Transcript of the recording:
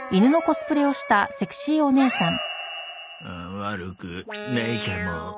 悪くないかも！